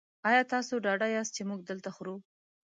ایا تاسو ډاډه یاست چې موږ دلته خورو؟